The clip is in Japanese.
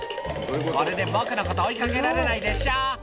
「これで僕のこと追いかけられないでしょ」